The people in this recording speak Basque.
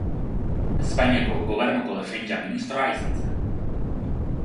Espainiako Gobernuko Defentsa Ministroa izan zen.